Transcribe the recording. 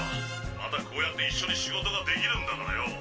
またこうやって一緒に仕事ができるんだからよ！